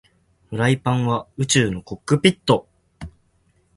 フライパンは宇宙のコックピット